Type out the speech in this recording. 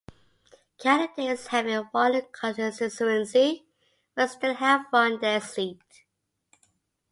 Candidates having won a constituency will still have won their seat.